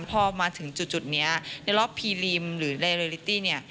พอมาถึงจุดนี้ในรอบพีริมหรือเลลิตี้เนี่ย